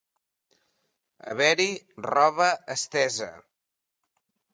Haver-hi roba estesa.